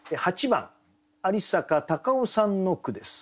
８番有阪貴男さんの句です。